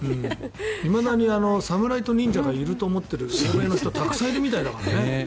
いまだに侍と忍者がいると思っている欧米の人はたくさんいるみたいだからね。